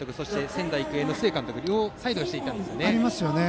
仙台育英の須江監督両サイド、していたんですよね。